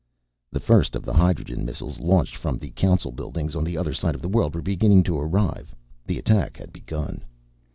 The first of the hydrogen missiles, launched from the Council buildings on the other side of the world, were beginning to arrive. The attack had begun.